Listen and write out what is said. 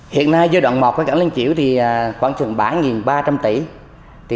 hiện nay giai đoạn một của cảng liên triều thì khoảng chừng bán một ba trăm linh tỷ